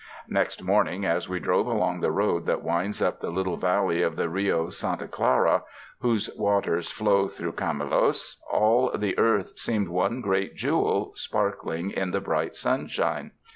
Next morning as we drove along the road that winds up the little valley of the Rio Santa Clara, whose waters flow through Cam ulos, all the earth seemed one great jewel sparkling in the bright sunshine.